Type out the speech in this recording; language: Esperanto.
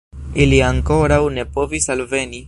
Ili ankoraŭ ne povis alveni.